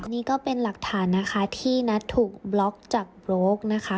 นี่ก็เป็นหลักฐานนะคะที่นัทถูกบล็อกจับโรคนะคะ